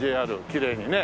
きれいにね。